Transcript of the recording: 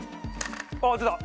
あっ出た！